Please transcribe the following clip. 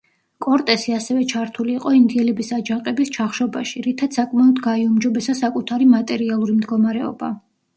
კორტესი ასევე ჩართული იყო ინდიელების აჯანყების ჩახშობაში, რითაც საკმაოდ გაიუმჯობესა საკუთარი მატერიალური მდგომარეობა.